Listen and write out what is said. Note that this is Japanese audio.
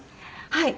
はい。